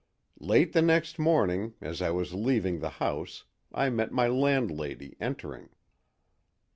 "Late the next morning, as I was leaving the house, I met my landlady, entering.